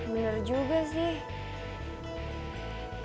bener juga sih